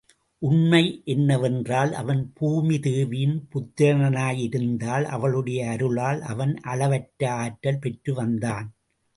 உண்மை என்னவென்றால், அவன் பூமி தேவியின் புத்திரனாயிருந்ததால், அவளுடைய அருளால் அவன் அளவற்ற ஆற்றல் பெற்று வந்தான்.